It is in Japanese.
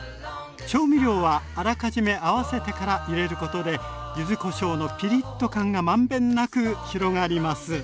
調味料はあらかじめ合わせてから入れることで柚子こしょうのピリッと感が満遍なく広がります。